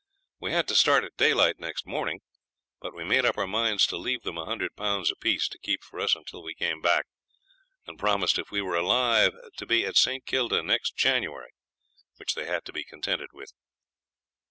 We had to start at daylight next morning; but we made up our minds to leave them a hundred pounds apiece to keep for us until we came back, and promised if we were alive to be at St. Kilda next January, which they had to be contented with.